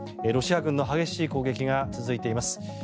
ロシア軍の激しい攻撃が続いています。